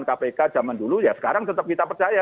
kpk zaman dulu ya sekarang tetap kita percaya